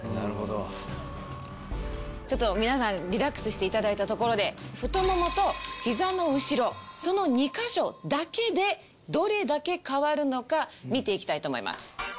ちょっと皆さんリラックスしていただいたところで太ももとひざの後ろその２か所だけでどれだけ変わるのか見ていきたいと思います。